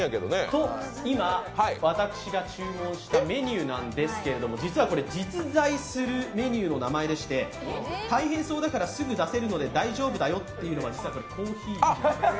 と、今私が注文したメニューなんですけど実はこれ、実在するメニューの名前でして、大変そうだから、すぐ出せるので大丈夫だよっていうのは実はコーヒーなんですよ。